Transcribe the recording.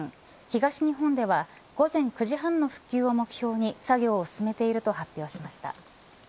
東日本では午前９時半の復帰を目標に作業を進めていると発表しました。